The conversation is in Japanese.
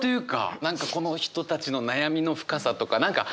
何かこの人たちの悩みの深さとか何か濃厚な感じ？